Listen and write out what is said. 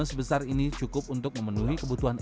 pak sebelum pakai biogas bapak dulu nyari kayu di hutan